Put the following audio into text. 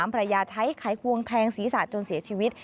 ภรรยาใช้ไขควงแทงศีรษะจนเสียชีวิต